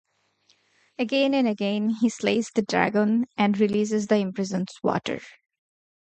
Again and again he slays the dragon and releases the imprisoned waters.